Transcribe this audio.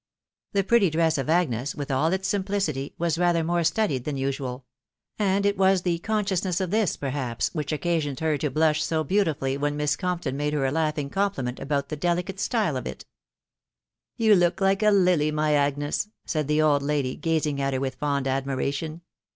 The pretty dress of Agnes, with all its simplicity, was rather more studied than usual; and it was the consciousness of this,, perhaps, which occasioned her to blush so beautifully when mist Compton made her a laughing compliment upon the delicate style of it. ... x " You look like a lily, my Agnes !" said the old lady, gazing at her with fond admiration..